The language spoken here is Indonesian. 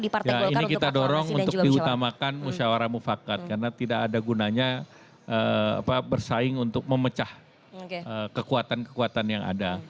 ya ini kita dorong untuk diutamakan musyawarah mufakat karena tidak ada gunanya bersaing untuk memecah kekuatan kekuatan yang ada